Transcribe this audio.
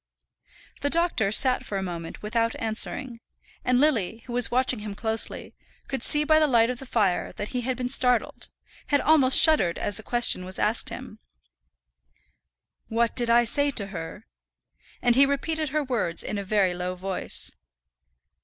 The doctor sat for a moment without answering, and Lily, who was watching him closely, could see by the light of the fire that he had been startled had almost shuddered as the question was asked him. "What did I say to her?" and he repeated her words in a very low voice.